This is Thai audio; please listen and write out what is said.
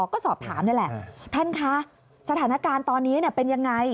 ก็สอบถามนี่แหละท่านคะสถานการณ์ตอนนี้เป็นยังไง